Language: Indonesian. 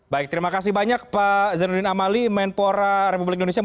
baik terima kasih banyak pak zainuddin amali menpora republik indonesia